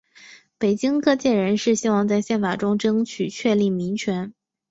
北京各界人士希望在宪法中争取确立民权。